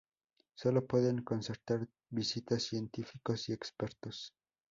Solo pueden concertar visitas científicos y expertos.